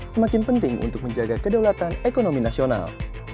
semakin penting untuk menjaga kedaulatan ekonomi nasional